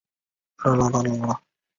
其他国家也有类似认证奖项。